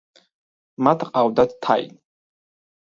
მათ ჰყავდა თაინი.